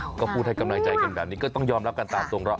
ก็พูดให้กำลังใจกันแบบนี้ก็ต้องยอมรับกันตามตรงเรา